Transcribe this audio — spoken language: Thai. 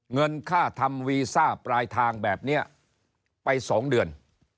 เงินค่าทำวีซ่าปลายทางแบบนี้ไป๒เดือน